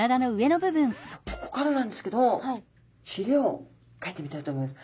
ここからなんですけどひれをかいてみたいと思います。